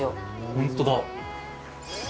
本当だ。